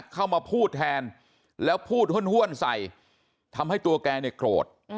เข้ามาพูดแทนแล้วพูดห้วนใส่ทำให้ตัวแกเนี่ยโกรธ